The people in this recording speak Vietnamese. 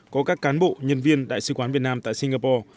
có các cán bộ nhân viên đại sứ quán việt nam tại singapore